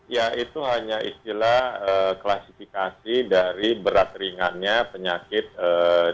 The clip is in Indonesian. ya itu hanya istilah klasifikasi dari berat ringannya penyakit jantung